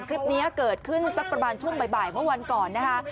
คลิปนี้เกิดขึ้นสักประมาณช่วงบ่ายเมื่อวันก่อนนะคะ